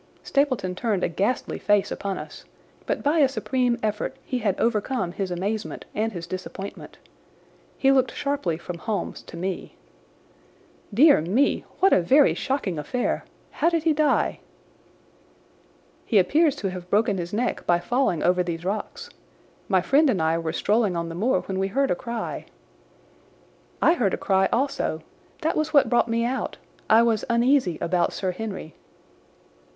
Stapleton turned a ghastly face upon us, but by a supreme effort he had overcome his amazement and his disappointment. He looked sharply from Holmes to me. "Dear me! What a very shocking affair! How did he die?" "He appears to have broken his neck by falling over these rocks. My friend and I were strolling on the moor when we heard a cry." "I heard a cry also. That was what brought me out. I was uneasy about Sir Henry."